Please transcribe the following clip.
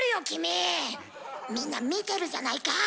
君みんな見てるじゃないか。